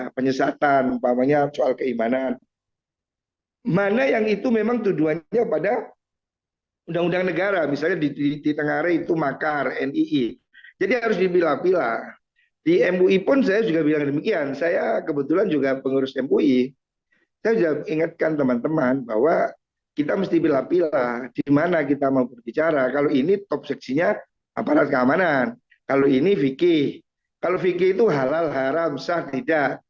penyesatan soal keimanan mana yang itu memang tuduhannya pada undang undang negara misalnya di tengah area itu makar nii jadi harus dipilih pilih di mui pun saya juga bilang demikian saya kebetulan juga pengurus mui saya juga ingatkan teman teman bahwa kita mesti pilih pilih dimana kita mau berbicara kalau ini top seksinya aparat keamanan kalau ini fikih kalau fikih itu halal haram sah tidak